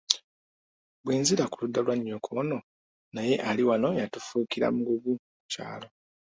Bwe nzira ku ludda lwa nnyoko ono naye ali wano yatufuukira mugugu ku kyalo.